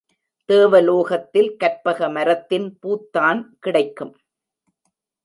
தேவ லோகத்தில் கற்பக மரத்தின் பூத்தான் கிடைக்கும்.